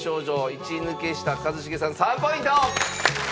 一抜けした一茂さん３ポイント！